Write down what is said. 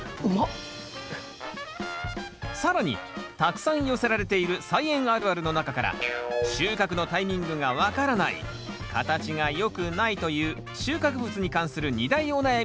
更にたくさん寄せられている「菜園あるある」の中から「収穫のタイミングが分からない」「形が良くない」という収穫物に関する２大お悩みをピックアップ。